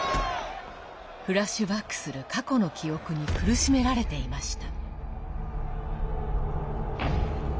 フラッシュバックする過去の記憶に苦しめられていました。